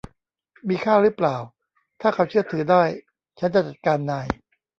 มีค่ารึเปล่า ถ้าเขาเชื่อถือได้ ฉันจะจัดการนาย